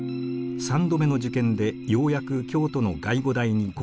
３度目の受験でようやく京都の外語大に合格。